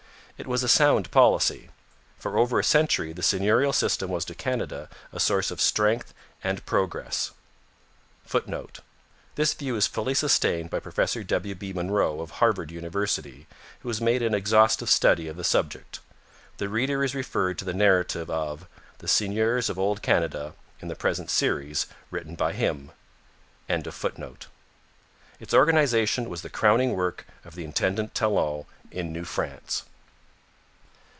It was a sound policy. For over a century the seigneurial system was to Canada a source of strength and progress. [Footnote: This view is fully sustained by Prof. W. B. Munro of Harvard University, who has made an exhaustive study of the subject. The reader is referred to the narrative of The Seigneurs of Old Canada in the present Series, written by him.] Its organization was the crowning work of the intendant Talon in New France.